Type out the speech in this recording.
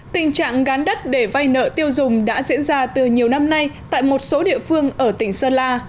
tình trạng gán đất để vay nợ tiêu dùng đã diễn ra từ nhiều năm nay tại một số địa phương ở tỉnh sơn la